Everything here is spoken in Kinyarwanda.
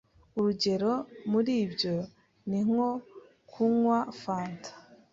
urugero muribyo ninko kunkwa fanta